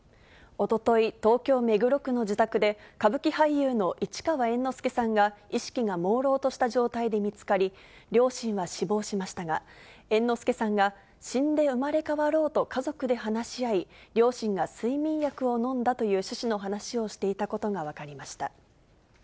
おととい、東京・目黒区の自宅で、歌舞伎俳優の市川猿之助さんが、意識がもうろうとした状態で見つかり、両親は死亡しましたが、猿之助さんが、死んで生まれ変わろうと家族で話し合い、両親が睡眠薬を飲んだという趣旨の話をしていたことが分かりました。